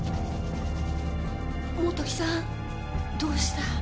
本木さんどうした？